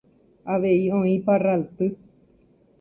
Avei oĩ parralty.